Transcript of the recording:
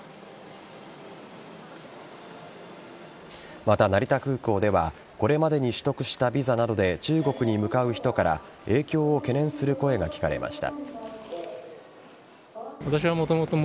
また、成田空港ではこれまでに取得したビザなどで中国に向かう人から影響を懸念する声が聞かれました。